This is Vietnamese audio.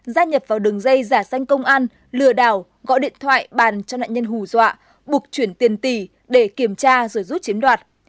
gia nhập vào đường dây giả xanh công an lừa đảo gọi điện thoại bàn cho nạn nhân hù dọa buộc chuyển tiền tỷ để kiểm tra rồi rút chiếm đoạt